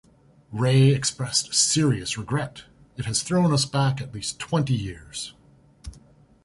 Wray expressed serious regret: It has thrown us back at least twenty years.